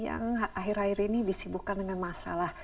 yang akhir akhir ini disibukkan dengan masalah